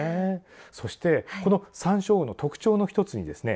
そしてこのサンショウウオの特徴の一つにですね